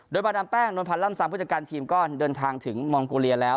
โดยบาดดำแป้งโดนพันร่ำสามผู้จัดการทีมก็เดินทางถึงมองโกเรียแล้ว